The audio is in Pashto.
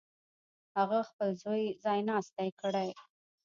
هغه خپل زوی ځایناستی کړي.